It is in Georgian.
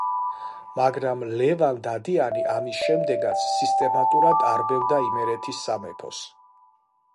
მაგრამ ლევან დადიანი ამის შემდეგაც სისტემატურად არბევდა იმერეთის სამეფოს.